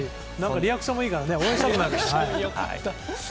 リアクションもいいから応援したくなりますよね。